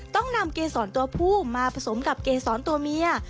ต้องนำเกษรตัวผู้มาผสมกับเกษรตัวเมีย